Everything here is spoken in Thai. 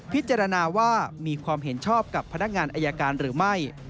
พิจารณาว่ามีความเห็นชอบกับพนักงานอายการหรือไม่